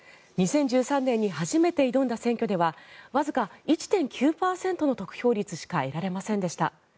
２０１３年に初めて挑んだ選挙ではわずか１．９％の得票率しか得られませんでした。